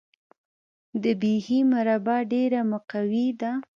د بهي مربا ډیره مقوي ده.